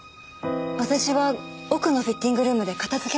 私は奥のフィッティングルームで片付けをしてました。